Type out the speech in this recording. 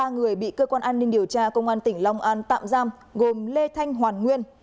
ba người bị cơ quan an ninh điều tra công an tỉnh long an tạm giam gồm lê thanh hoàn nguyên